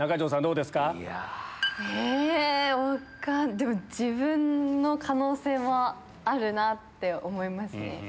でも自分の可能性もあるなって思いますね。